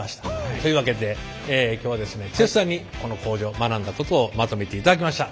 というわけで今日はですね剛さんにこの工場学んだことをまとめていただきました。